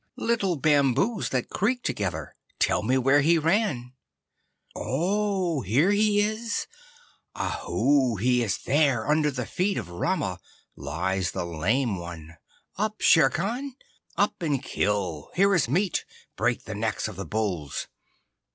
Little bamboos that creak together, tell me where he ran? Ow! He is there. Ahoo! He is there. Under the feet of Rama lies the Lame One! Up, Shere Khan! Up and kill! Here is meat; break the necks of the bulls!